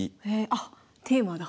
あっテーマだ。